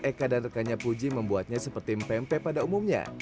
eka dan rekannya puji membuatnya seperti mpe mpe pada umumnya